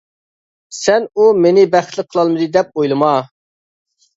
سەن ئۇ مېنى بەختلىك قىلالمىدى دەپ ئويلىما!